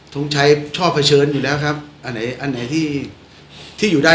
ทรงชัยชอบเผชิญอยู่แล้วครับอันไหนที่อยู่ได้